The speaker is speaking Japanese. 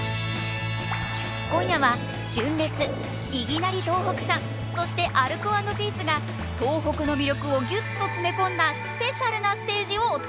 今夜は純烈いぎなり東北産そしてアルコ＆ピースが東北の魅力をギュッと詰め込んだスペシャルなステージをお届け！